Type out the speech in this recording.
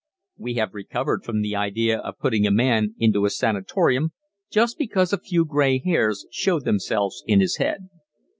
We have recovered from the idea of putting a man into a sanatorium just because a few grey hairs show themselves in his head.